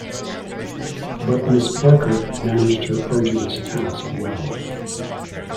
But Miss Barker managed her arduous task well.